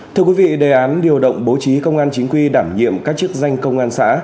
thưa quý vị đề án điều động bố trí công an chính quy đảm nhiệm các chức danh công an xã